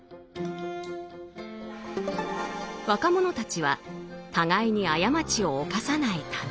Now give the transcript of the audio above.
若者たちは互いに過ちを犯さないため。